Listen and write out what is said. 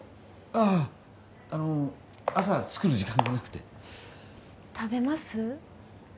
あああの朝作る時間がなくて食べます？